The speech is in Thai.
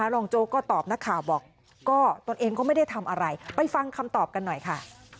โจ๊กก็ตอบนักข่าวบอกก็ตนเองก็ไม่ได้ทำอะไรไปฟังคำตอบกันหน่อยค่ะ